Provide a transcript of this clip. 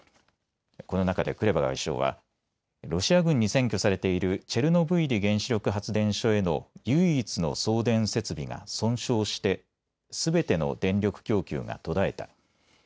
この中でクレバ外相はロシア軍に占拠されているチェルノブイリ原子力発電所への唯一の送電設備が損傷してすべての電力供給が途絶えた。